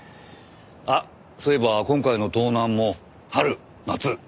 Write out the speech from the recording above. あっそういえば今回の盗難も春夏冬。